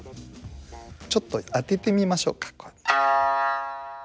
ちょっと当ててみましょうか。